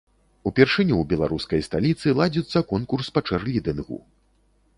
Упершыню ў беларускай сталіцы ладзіцца конкурс па чэрлідынгу.